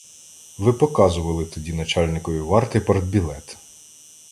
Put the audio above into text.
— Ви показували тоді начальникові варти партбілет.